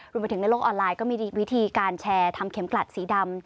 ในโลกออนไลน์ก็มีวิธีการแชร์ทำเข็มกลัดสีดำ